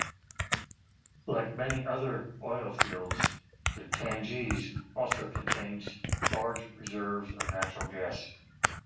Like many other oil fields, the Tengiz also contains large reserves of natural gas.